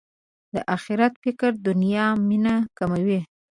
د اخرت فکر د دنیا مینه کموي.